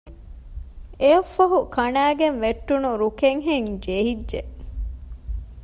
އެއަށްފަހު ކަނައިގެން ވެއްޓުނު ރުކެއްހެން ޖެހިއްޖެ